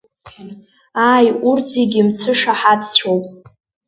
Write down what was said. Ааи, урҭ зегьы мцышаҳаҭцәоуп.